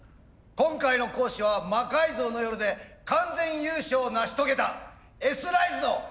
今回の講師は「魔改造の夜」で完全優勝を成し遂げたＳライズの井上雄介講師。